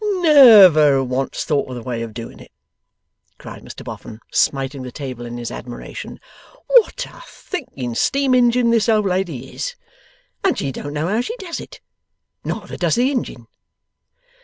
'Ne ver once thought of the way of doing it!' cried Mr Boffin, smiting the table in his admiration. 'What a thinking steam ingein this old lady is. And she don't know how she does it. Neither does the ingein!